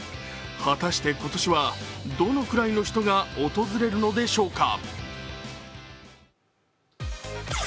果たして今年はどのくらいの人が訪れるのでしょうか。